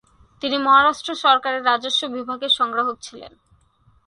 তিনি মহারাষ্ট্র সরকারের রাজস্ব বিভাগের সংগ্রাহক ছিলেন।